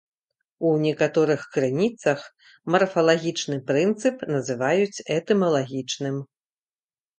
У некаторых крыніцах марфалагічны прынцып называецца этымалагічным.